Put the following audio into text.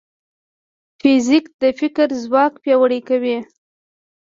فزیک د فکر ځواک پیاوړی کوي.